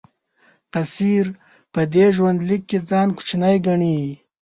قیصر په دې ژوندلیک کې ځان کوچنی ګڼي.